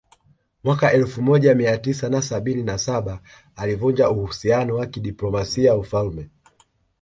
Mwaka elfu moja Mia tisa na sabini na saba alivunja uhusiano wa kidiplomasia Ufalme